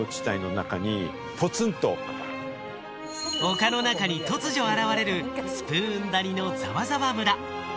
丘の中に突如現れるスプウン谷のザワザワ村。